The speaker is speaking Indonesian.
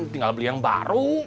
tinggal beli yang baru